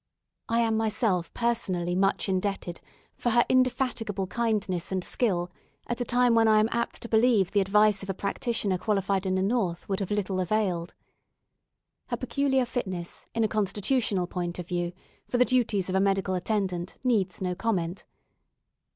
"I am myself personally much indebted for her indefatigable kindness and skill at a time when I am apt to believe the advice of a practitioner qualified in the North would have little availed. "Her peculiar fitness, in a constitutional point of view, for the duties of a medical attendant, needs no comment.